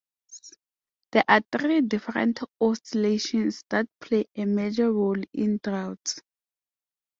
There are three different oscillations that play a major role in droughts.